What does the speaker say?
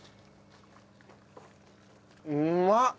うまっ。